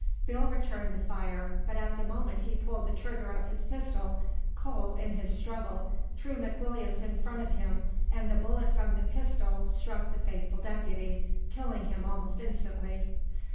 Bill returned the fire, but at the moment he pulled the trigger of his pistol, Cole, in his struggle, threw McWilliams in front of him and the bullet from the pistol struck the faithful deputy, killing him almost instantly.